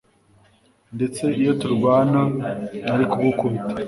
ndetse iyo turwana nari kugukubita